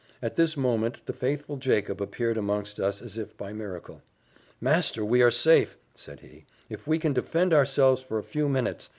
At this moment the faithful Jacob appeared amongst us as if by miracle. "Master, we are safe," said he, "if we can defend ourselves for a few minutes.